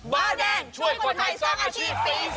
บ้าแดงช่วยคนไทยสร้างอาชีพฤษภาษณ์